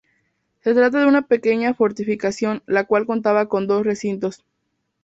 Se trata de una pequeña fortificación la cual contaba con dos recintos.